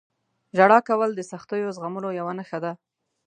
• ژړا کول د سختیو زغملو یوه نښه ده.